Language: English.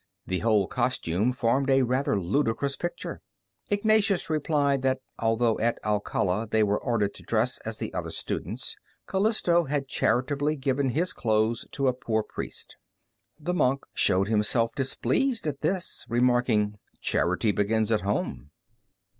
The whole costume formed a rather ludicrous picture. Ignatius replied that although at Alcala they were ordered to dress as the other students, Calisto had charitably given his clothes to a poor priest. The monk showed himself displeased at this, remarking, "Charity begins at home."